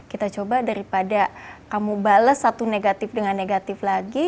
kita coba daripada kamu bales satu negatif dengan negatif lagi